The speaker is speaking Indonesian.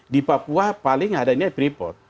di papua paling adanya freeport